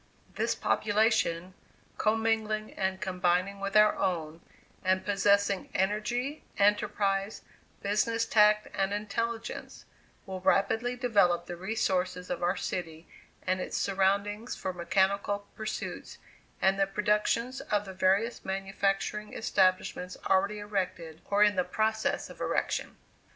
This population, commingling and combining with our own, and possessing energy, enterprise, business tact and intelligence, will rapidly develop the resources of our city and its surroundings for mechanical pursuits, and the productions of the various manufacturing establishments already erected, or in process of erection.